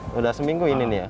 sudah seminggu ini ya